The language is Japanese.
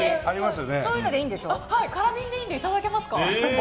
空瓶でいいのでいただけますか？